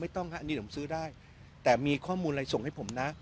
ต้องฮะอันนี้ผมซื้อได้แต่มีข้อมูลอะไรส่งให้ผมนะ